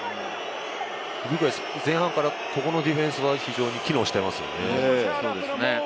ウルグアイ、前半からここのディフェンスはすごく機能していますよね。